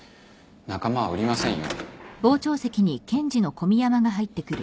仲間は売りませんよ。